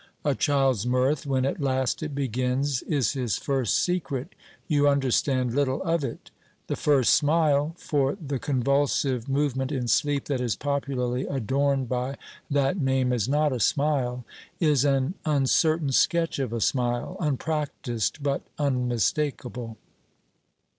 A child's mirth, when at last it begins, is his first secret; you understand little of it. The first smile (for the convulsive movement in sleep that is popularly adorned by that name is not a smile) is an uncertain sketch of a smile, unpractised but unmistakable.